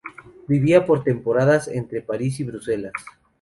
Vivía por temporadas entre París y Bruselas.